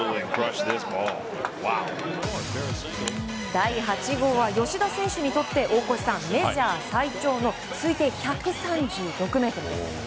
第８号は吉田選手にとって大越さんメジャー最長の推定１３６ｍです。